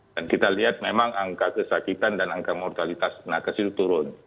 dan kita lihat memang angka kesakitan dan angka mortalitas penakas itu turun